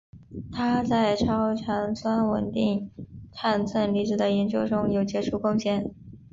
他在超强酸稳定碳正离子的研究中有杰出贡献。